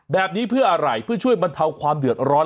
แบบนี้เพื่ออะไรเพื่อช่วยบรรเทาความเดือดร้อน